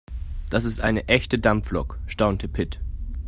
Das ist eine echte Dampflok, staunte Pit.